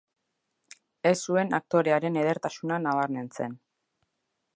Ez zuen aktorearen edertasuna nabarmentzen.